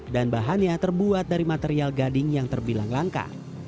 dan bahannya terbuat dari material gading yang terbilang langka